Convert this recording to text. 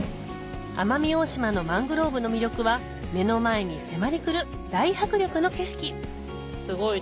奄美大島のマングローブの魅力は目の前に迫り来る大迫力の景色すごい。